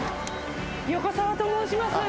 横澤と申します。